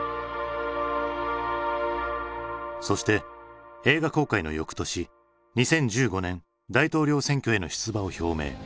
そして映画公開のよくとし２０１５年大統領選挙への出馬を表明。